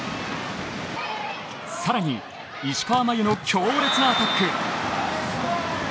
さらに石川真佑の強烈なアタック。